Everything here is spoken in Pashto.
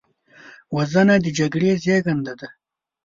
وژنه د جګړې زیږنده ده